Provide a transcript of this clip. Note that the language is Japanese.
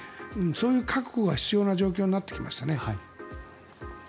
そういう覚悟が必要な状況になってきましたね。